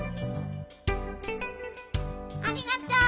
ありがとう。